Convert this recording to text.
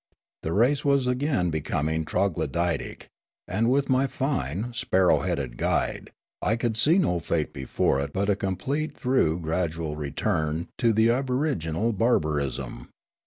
The race was again becoming troglodytic ; and with my fine, spar row headed guide, I could see no fate before it but a complete though gradual return to aboriginal barbar ism.